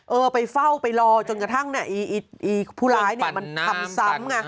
เออไปเฝ้าไปรอจนกระทั่งน่ะอีผู้หลายเนี่ยทำซ้ำมา